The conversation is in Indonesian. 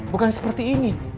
bukan seperti ini